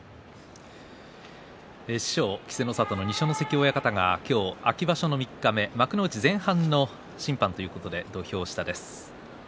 師匠稀勢の里の二所ノ関親方が秋場所の三日目幕内前半の審判ということで土俵下です。